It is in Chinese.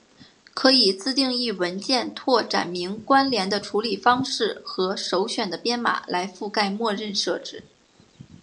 可以自定义文件扩展名关联的处理方式和首选的编码来覆盖默认设置。